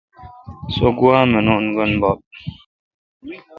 سو گوا مینون۔ گینب بب۔